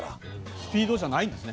スピードじゃないんですね。